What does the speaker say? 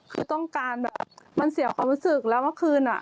คือต้องการแบบมันเสียความรู้สึกแล้วเมื่อคืนอ่ะ